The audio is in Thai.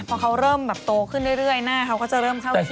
พอเขาเริ่มโตขึ้นได้เรื่อยหน้าก็จะเริ่มเข้าที่